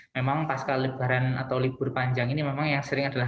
memang pasca lebaran atau libur panjang ini memang yang sering adalah